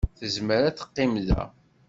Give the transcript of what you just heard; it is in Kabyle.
Tezmer ad teqqim da.